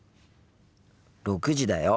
６時だよ。